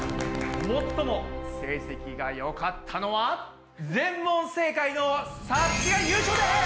最も成績がよかったのは全問正解のさつきが優勝です！